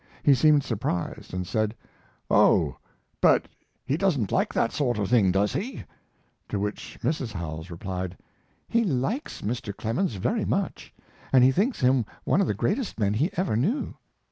He seemed surprised and said: "Oh, but he doesn't like that sort of thing, does he?" To which Mrs. Howells replied: "He likes Mr. Clemens very much, and he thinks him one of the greatest men he ever knew."